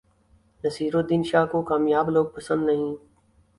نصیرالدین شاہ کو کامیاب لوگ پسند نہیں